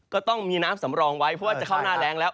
ก็ต้องมีน้ำสำรองไว้เพราะว่าจะเข้าหน้าแรงแล้ว